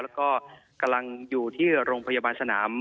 แล้วก็กำลังอยู่ที่โรงพยาบาลสนาม